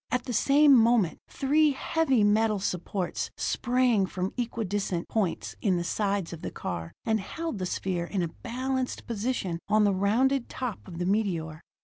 At the same moment, three heavy metal supports sprang from equi distant points in the sides of the car, and held the sphere in a balanced position on the rounded top of the meteor.